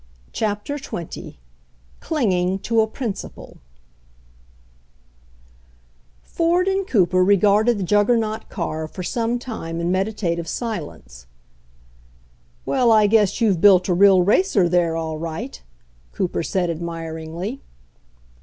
CHAPTER XX CLINGING TO A PRINCIPLE Ford and Cooper regarded the juggernaut car for some time in meditative silence. "Well, I guess you've built a real racer there, all right," Cooper said admiringly.